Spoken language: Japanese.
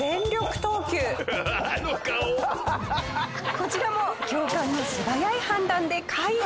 こちらも教官の素早い判断で回避！